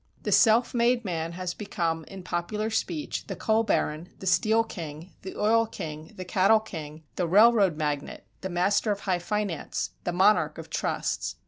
The self made man has become, in popular speech, the coal baron, the steel king, the oil king, the cattle king, the railroad magnate, the master of high finance, the monarch of trusts.